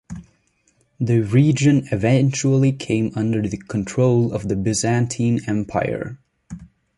The region eventually came under the control of the Byzantine Empire.